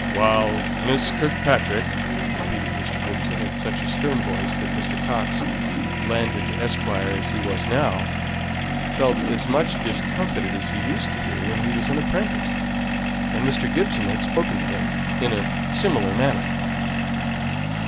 "While Miss Kirkpatrick ?" repeated Mr. Gibson, in such a stern voice, that Mr. Coxe, landed esquire as he was now, felt as much discomfited as he used to do when he was an apprentice, and Mr. Gibson had spoken to him in a similar manner.